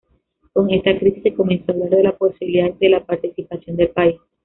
Con esta crisis se comenzó hablar de la posibilidad de la partición del país.